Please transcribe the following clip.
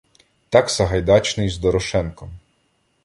Так Сагайдачний з Дорошенком